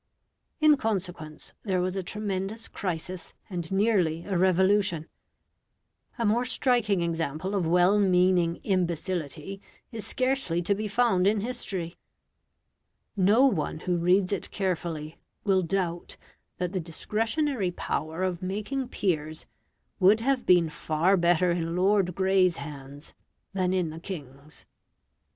In consequence, there was a tremendous crisis and nearly a revolution. A more striking example of well meaning imbecility is scarcely to be found in history. No one who reads it carefully will doubt that the discretionary power of making peers would have been far better in Lord Grey's hands than in the king's.